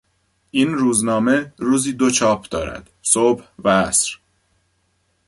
این روزنامه روزی دو چاپ دارد: صبح و عصر